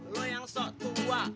lo yang sok tua